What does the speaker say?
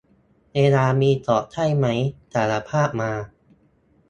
เวลามีสอบใช่ไหม สารภาพมา